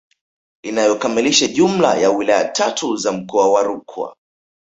Inayokamilisha jumla ya wilaya tatu za mkoa wa Rukwa